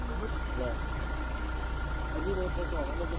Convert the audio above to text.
ไม่งั้นอันนี้ก็ต้องสาม